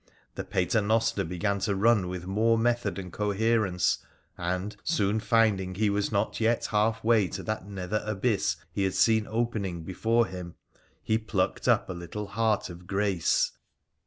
The paternoster began to run with more method and coherence, and, soon finding he was not yet halfway to that nether abyss he. had seen opening before him, he plucked up a little heart of grace.